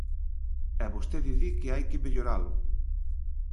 E vostede di que hai que melloralo.